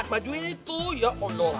baju ini tuh